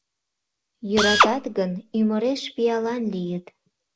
Йӧратат гын, ӱмыреш пиалан лийыт.